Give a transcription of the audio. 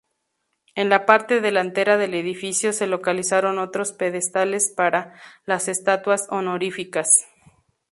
En la parte delantera del edificio se localizaron otros pedestales para las estatuas honoríficas.